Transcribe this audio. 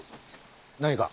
何か？